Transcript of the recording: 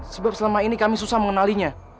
sebab selama ini kami susah mengenalinya